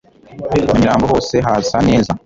nyamirambo hose hasa neza